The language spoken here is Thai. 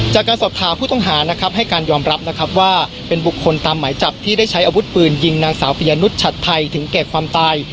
จากการสอบถามผู้ต้องหานะครับให้การยอมรับนะครับว่าเป็นบุคคลตามหมายจับที่ได้ใช้อาวุธปืนยิงนางสาวปียนุษยชัดไทยถึงแก่ความตาย